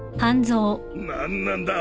何なんだ？